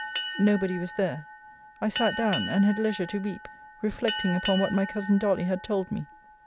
Nobody was there. I sat down, and had leisure to weep; reflecting upon what my cousin Dolly had told me.